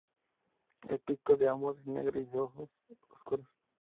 El pico de ambos es negro y sus ojos oscuros.